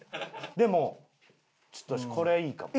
でもちょっとわしこれはいいかも。